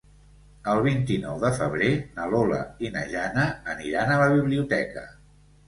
El vint-i-nou de febrer na Lola i na Jana aniran a la biblioteca.